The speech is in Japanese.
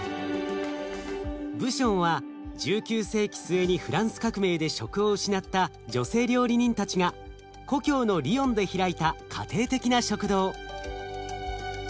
ブションは１９世紀末にフランス革命で職を失った女性料理人たちが故郷のリヨンで開いた家庭的な食堂。